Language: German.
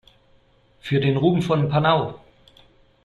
Für den Ruhm von Panau!